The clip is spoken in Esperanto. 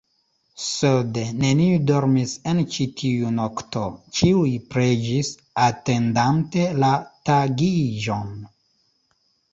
Sed neniu dormis en ĉi tiu nokto, ĉiuj preĝis, atendante la tagiĝon.